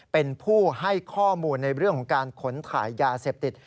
เป็นผู้ให้ข้อมูลในเรื่องของการขนถ่ายยาเสพติด